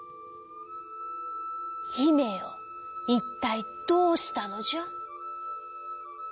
「ひめよいったいどうしたのじゃ？」。